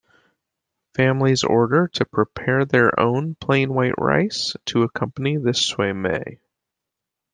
Families order or prepare their own plain white rice to accompany the "siu mei".